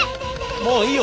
もういいよ。